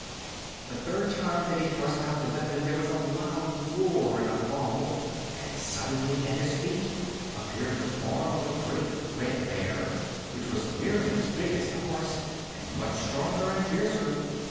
The third time that he thrust out the weapon there was a loud roar and a fall, and suddenly at his feet appeared the form of a great red bear, which was nearly as big as the horse and much stronger and fiercer.